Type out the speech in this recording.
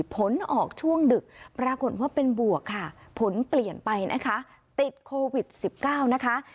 ผลออกช่วงดึกปรากฏว่าเป็นบวกค่ะผลเปลี่ยนไปนะคะติดโควิด๑๙นะคะ